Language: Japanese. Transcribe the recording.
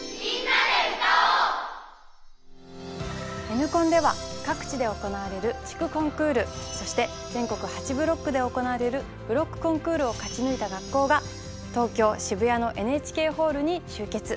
Ｎコンでは各地で行われる地区コンクールそして全国８ブロックで行われるブロックコンクールを勝ち抜いた学校が東京渋谷のＮＨＫホールに集結！